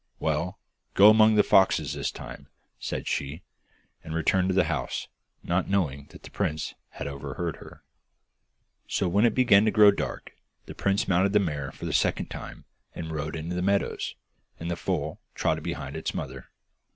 'Well, go among the foxes this time,' said she, and returned to the house, not knowing that the prince had overheard her. So when it began to grow dark the prince mounted the mare for the second time and rode into the meadows, and the foal trotted behind its mother.